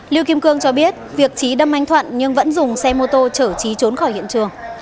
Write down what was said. liêu kim cương cho biết việc trí đâm anh thuận nhưng vẫn dùng xe mô tô chở trí trốn khỏi hiện trường